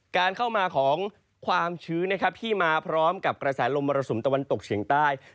การเข้ามาของความชื้นนะครับที่มาพร้อมกับกระแสลมมรสุมตะวันตกเฉียงใต้